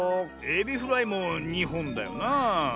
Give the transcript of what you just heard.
エビフライも２ほんだよなあ。